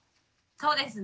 そうですね。